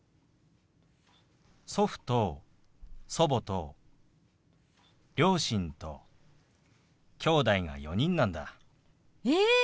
祖父と祖母と両親ときょうだいが４人なんだ。え！